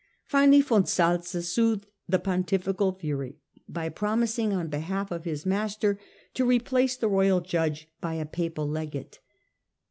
Finally von Salza soothed the pontifical fury by promising on behalf of his master to replace the Royal Judge by a Papal Legate.